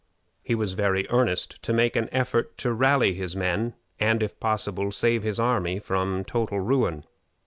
He was very earnest to make an effort to rally his men, and, if possible, save his army from total ruin.